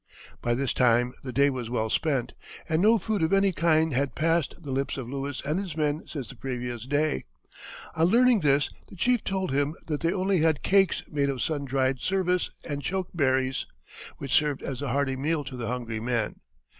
By this time the day was well spent, and no food of any kind had passed the lips of Lewis and his men since the previous day. On learning this the chief told him that they only had cakes made of sun dried service and choke berries, which served as a hearty meal to the hungry men.